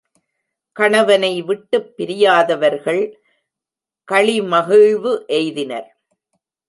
கணவனை விட்டுப் பிரியாதவர்கள் களிமகிழ்வு எய்தினர்.